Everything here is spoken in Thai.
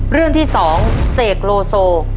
เรื่องที่๒เสกโลโซ